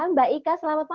mbak ika selamat malam